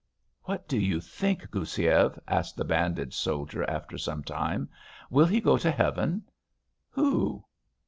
"What do you think, Goussiev?" asked the bandaged soldier after some time. "Will he go to heaven?" "Who?"